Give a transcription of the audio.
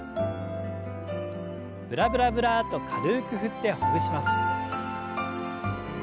ブラブラブラッと軽く振ってほぐします。